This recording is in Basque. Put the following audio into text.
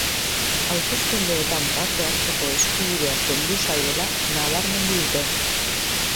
Hauteskundeetan parte hartzeko eskubidea kendu zaiela nabarmendu dute.